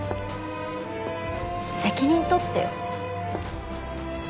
責任取ってよ。